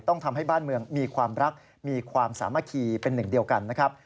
ต้องทำให้บ้านเมืองมีความรักมีความสามัคคีเป็นหนึ่งเดียวกันนะครับ